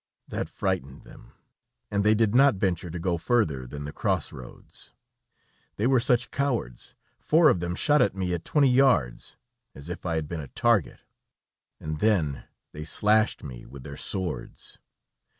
That frightened them, and they did not venture to go further than the cross roads. They were such cowards. Four of them shot at me at twenty yards, as if I had been a target, and then they slashed me with their swords.